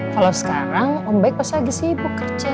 kalau sekarang om baik pasti lagi sibuk kerja